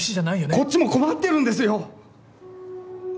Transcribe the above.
こっちも困ってるんですよ！